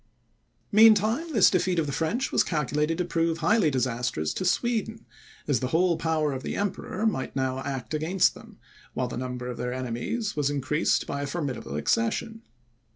Meantime, this defeat of the French was calculated to prove highly disastrous to Sweden, as the whole power of the Emperor might now act against them, while the number of their enemies was increased by a formidable accession.